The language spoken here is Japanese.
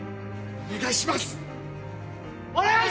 お願いします！